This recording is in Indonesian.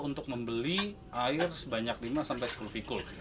untuk membeli air sebanyak lima sampai sepuluh pikul